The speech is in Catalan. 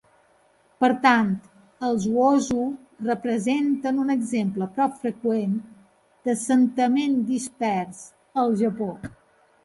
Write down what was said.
Per tant, els Uozu representen un exemple poc freqüent d'assentament dispers al Japó.